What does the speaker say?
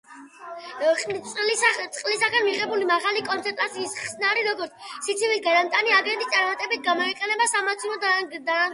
წყლისაგან მიღებული მაღალი კონცენტრაციის ხსნარი, როგორც სიცივის გადამტანი აგენტი, წარმატებით გამოიყენება სამაცივრო დანადგარებში.